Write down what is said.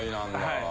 はい。